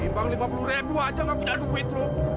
emang lima puluh ribu aja nggak punya duit lu